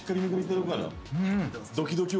ドキドキを。